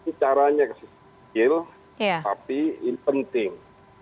ini caranya kecil tapi penting